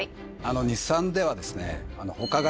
日産ではですね。